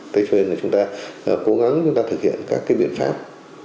tây cho nên là chúng ta cố gắng chúng ta thực hiện các cái biện pháp